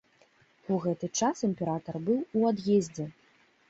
У гэты час імператар быў у ад'ездзе.